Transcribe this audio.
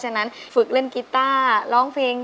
ฉันยอมแล้วคุยทั้งอำเภอ